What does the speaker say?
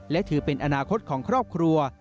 และถือเป็นอนาคตของครอบครัว